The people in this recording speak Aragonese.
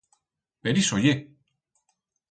Per ixo ye!